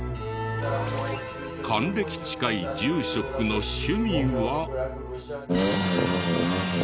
還暦近い住職の趣味は。